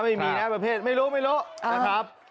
ไม่มีแรกประเภทไม่รู้นะครับ